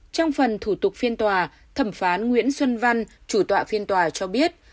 trong phần thủ tục phiên tòa thẩm phán nguyễn xuân văn chủ tọa phiên tòa cho biết